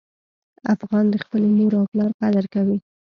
افغان د خپلې مور او پلار قدر کوي.